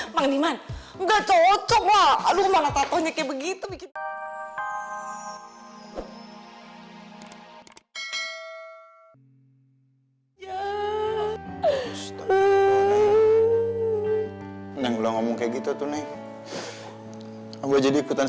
makniman gak cocok lah